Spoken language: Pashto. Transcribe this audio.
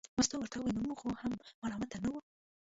مستو ورته وویل نو موږ خو هم ملامته نه وو.